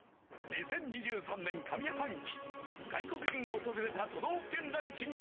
２０２３年上半期外国人が訪れた都道府県ランキング